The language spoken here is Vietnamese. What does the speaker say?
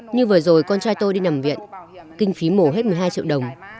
như vừa rồi con trai tôi đi nằm viện kinh phí mổ hết một mươi hai triệu đồng